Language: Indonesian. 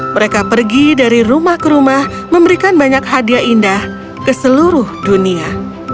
mereka pergi dari rumah ke rumah memberikan banyak hadiah indah ke seluruh dunia